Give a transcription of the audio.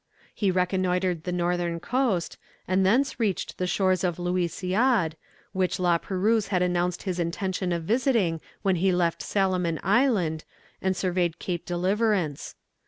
He reconnoitred the northern coast, and thence reached the shores of Lousiade, which La Perouse had announced his intention of visiting when he left Salomon Island, and surveyed Cape Deliverance.